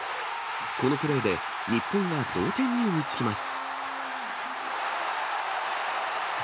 このプレーで、日本は同点に追いつきます。